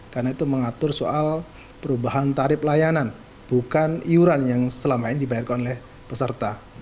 karena itu mengatur soal perubahan tarif layanan bukan iuran yang selama ini dibayarkan oleh peserta